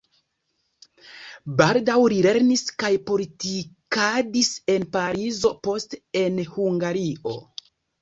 Baldaŭ li lernis kaj politikadis en Parizo, poste en Hungario.